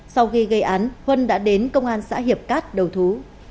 sau khi gây án huân đã đến công an xã hiệp cát đầu thú